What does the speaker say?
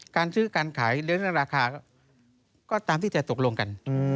การซื้อการขายหรือเรื่องราคาก็ตามที่จะตกลงกัน